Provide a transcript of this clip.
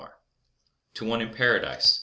TO ONE IN PARADISE.